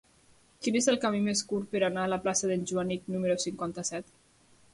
Quin és el camí més curt per anar a la plaça d'en Joanic número cinquanta-set?